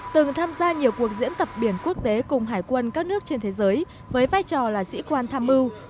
từng tham gia nhiều cuộc diễn tập biển quốc tế cùng hải quân các nước trên thế giới với vai trò là sĩ quan tham mưu